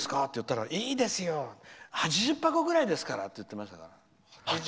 って言ったらいいですよ、８０箱ぐらいですからって言ってました。